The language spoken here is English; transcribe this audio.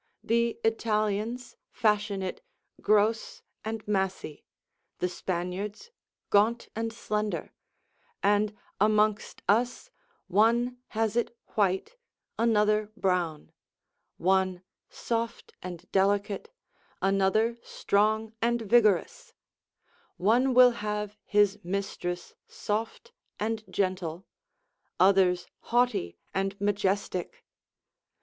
The Italians fashion it gross and massy; the Spaniards gaunt and slender; and amongst us one has it white, another brown; one soft and delicate, another strong and vigorous; one will have his mistress soft and gentle, others haughty and majestic.